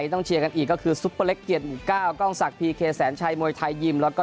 ในด้านของมวยของประเทศเขานะคะ